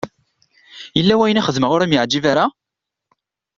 Yella wayen i xedmeɣ ur am-yeɛǧib ara?